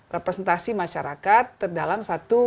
representasi masyarakat terdalam